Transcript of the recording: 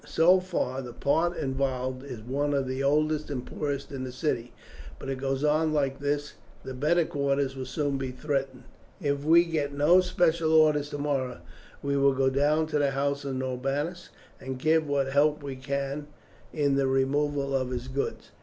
So far the part involved is one of the oldest and poorest in the city, but if it goes on like this the better quarters will soon be threatened. If we get no special orders tomorrow, we will go down to the house of Norbanus and give what help we can in the removal of his goods.